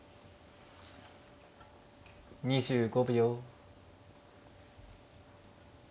２５秒。